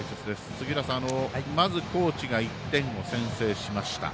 杉浦さん、まず、高知が１点を先制しました。